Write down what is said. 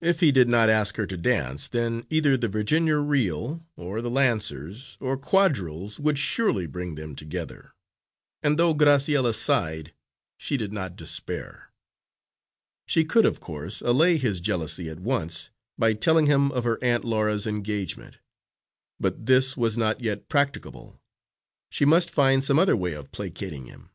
If he did not ask her to dance, then either the Virginia reel, or the lancers, or quadrilles, would surely bring them together; and though Graciella sighed, she did not despair. She could, of course, allay his jealousy at once by telling him of her Aunt Laura's engagement, but this was not yet practicable. She must find some other way of placating him.